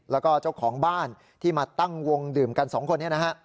แล้วก็เจ้าของบ้านที่มาตั้งวงดื่มกันสองคนนี้นะฮะ